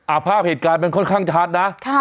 ภาพเหตุการณ์มันค่อนข้างชัดนะค่ะ